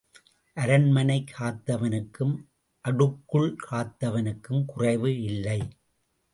அரண்மனை காத்தவனுக்கும் அடுக்குள் காத்தவனுக்கும் குறைவு இல்லை.